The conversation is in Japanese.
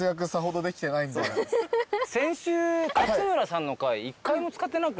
先週勝村さんの回１回も使ってなくない？